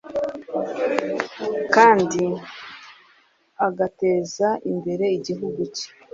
kandi agateza imbere igihugu ke.